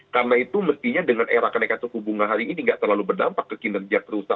karena itu mestinya dengan era konektor suku bunga hari ini nggak terlalu berdampak ke kinerja